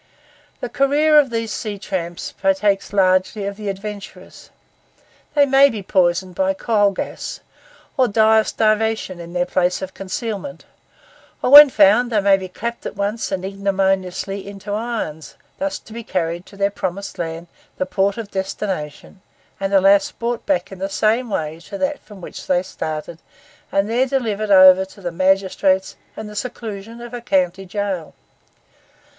The career of these sea tramps partakes largely of the adventurous. They may be poisoned by coal gas, or die by starvation in their place of concealment; or when found they may be clapped at once and ignominiously into irons, thus to be carried to their promised land, the port of destination, and alas! brought back in the same way to that from which they started, and there delivered over to the magistrates and the seclusion of a county jail.